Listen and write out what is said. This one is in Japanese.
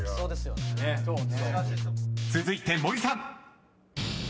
［続いて森さん］